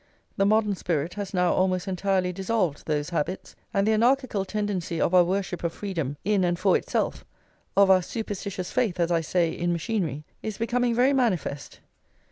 The modern spirit has now almost entirely dissolved those habits, and the anarchical tendency of our worship of freedom in and for itself, of our superstitious faith, as I say, in machinery, is becoming very manifest.